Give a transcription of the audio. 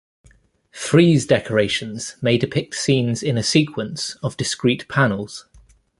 Frieze decorations may depict scenes in a sequence of discrete panels.